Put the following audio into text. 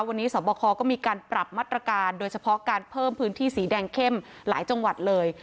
วันนี้สอบคอก็มีการปรับมาตรการโดยเฉพาะการเพิ่มพื้นที่สีแดงเข้มหลายจังหวัดเลย